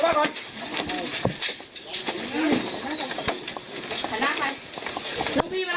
เอาฟ้าเอาน้องไปได้ไหมครับ